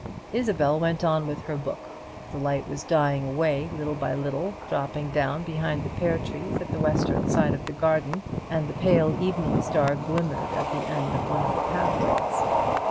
Isabel went on with her book; the light was dying away little by little, dropping down behind the pear trees at the western side of the garden, and the pale evening star glimmered at the end of one of the pathways.